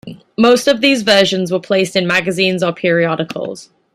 Most of these versions were placed in magazines or periodicals.